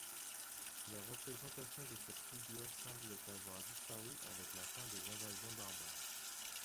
Les représentations de cette figure semblent avoir disparu avec la fin des invasions barbares.